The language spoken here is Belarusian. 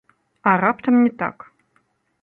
А раптам не так.